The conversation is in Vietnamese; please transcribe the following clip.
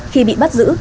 khi bị bắt giữ